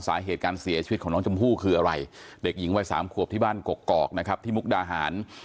สาเหตุการเสียชีวิตของน้องชมพู่คืออะไรเด็กหญิงวัยสามขวบที่บ้านกกอกนะครับที่มุกดาหาร